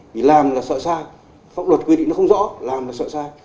vì làm là sợ sai pháp luật quy định nó không rõ làm là sợ sai